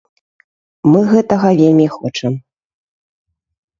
Мы гэтага вельмі хочам.